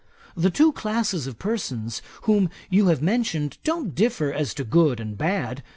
The two classes of persons whom you have mentioned don't differ as to good and bad.